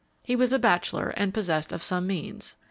He was a bachelor and possessed of some means.